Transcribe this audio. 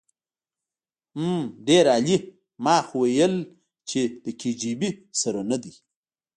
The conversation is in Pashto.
حم ډېر عالي ما خو ويلې چې د کي جي بي سره ندی.